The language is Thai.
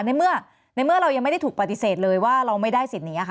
ในเมื่อในเมื่อเรายังไม่ได้ถูกปฏิเสธเลยว่าเราไม่ได้สิทธิ์นี้ค่ะ